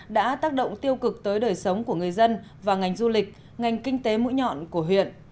đã tác động tiêu cực tới đời sống của người dân và ngành du lịch ngành kinh tế mũi nhọn của huyện